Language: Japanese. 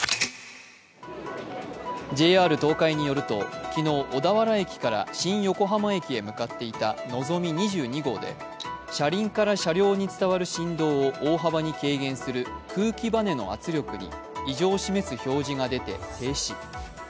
ＪＲ東海によると、昨日、小田原駅から新横浜駅に向かっていた「のぞみ２２号」で車輪から車両に伝わる振動を大幅に軽減する空気ばねの圧力に異常を示す表示が出て停止。